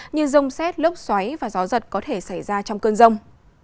như rông xét lốc xoáy và gió giật có thể xảy ra trong cơn rông